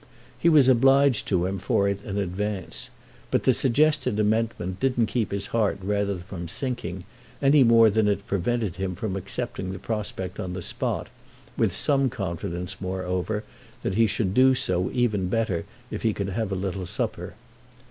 He was obliged to him for it in advance; but the suggested amendment didn't keep his heart rather from sinking, any more than it prevented him from accepting the prospect on the spot, with some confidence moreover that he should do so even better if he could have a little supper.